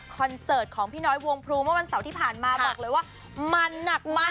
เสิร์ตของพี่น้อยวงพลูเมื่อวันเสาร์ที่ผ่านมาบอกเลยว่ามันหนักมาก